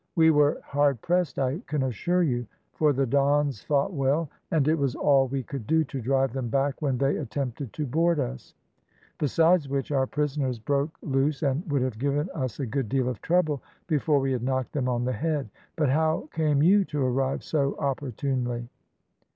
We were hard pressed I can assure you, for the Dons fought well, and it was all we could do to drive them back when they attempted to board us; besides which, our prisoners broke loose, and would have given us a good deal of trouble, before we had knocked them on the head. But how came you to arrive so opportunely?"